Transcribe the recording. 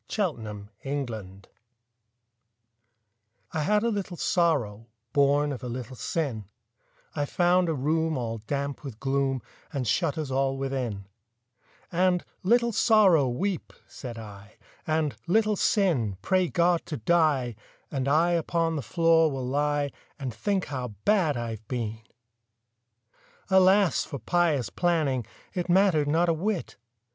63 The Penitent I had a little Sorrow, Born of a little Sin, I found a room all damp with gloom And shut us all within; And, "Little Sorrow, weep," said I, "And, Little Sin, pray God to die, And I upon the floor will lie And think how bad I've been!" Alas for pious planning— It mattered not a whit!